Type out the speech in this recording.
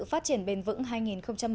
phát triển bền vững hai nghìn một mươi ba